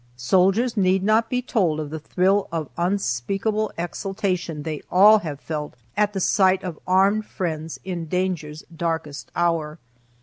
Soldiers need not be told of the thrill of unspeakable exultation they all have felt at the sight of armed friends in danger's darkest hour.